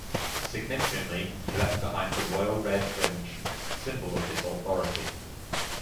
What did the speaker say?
Significantly, he left behind the royal red fringe, symbol of his authority.